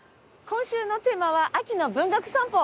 今週のテーマは秋の文学散歩。